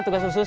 su cenaka mah